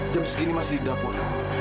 jam segini masih dapur